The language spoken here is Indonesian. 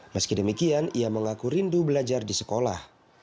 meski demikian ia mengaku rindu belajar di sekolah